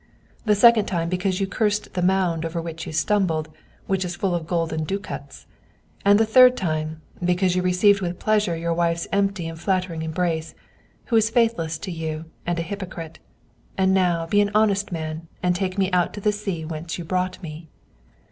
The second time, because you cursed the mound over which you stumbled, which is full of golden ducats. And the third time, because you received with pleasure your wife's empty and flattering embrace, who is faithless to you, and a hypocrite. And now be an honest man, and take me out to the sea whence you brought me."